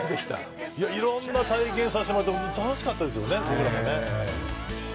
いろんな体験させてもらって楽しかったですよね